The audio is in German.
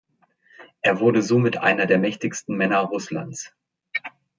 Er wurde somit einer der mächtigsten Männer Russlands.